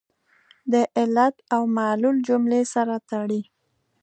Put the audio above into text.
د علت او معلول جملې سره تړي.